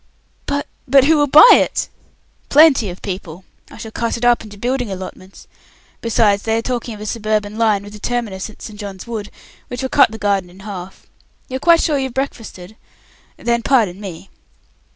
"But but who will buy it?" "Plenty of people. I shall cut it up into building allotments. Besides, they are talking of a suburban line, with a terminus at St. John's Wood, which will cut the garden in half. You are quite sure you've breakfasted? Then pardon me."